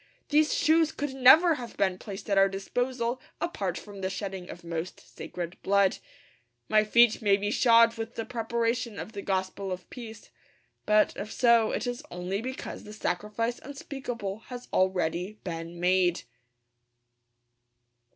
These shoes could never have been placed at our disposal apart from the shedding of most sacred blood. My feet may be shod with the preparation of the gospel of peace; but, if so, it is only because the sacrifice unspeakable has already been made.